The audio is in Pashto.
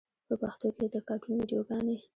په پښتو کې د کاټون ویډیوګانې